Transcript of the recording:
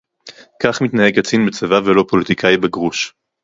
כך מתנהג קצין בצבא ולא פוליטיקאי בגרוש